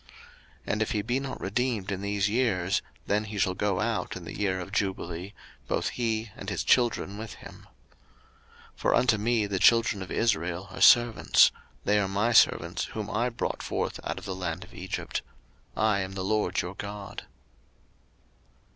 03:025:054 And if he be not redeemed in these years, then he shall go out in the year of jubile, both he, and his children with him. 03:025:055 For unto me the children of Israel are servants; they are my servants whom I brought forth out of the land of Egypt: I am the LORD your God.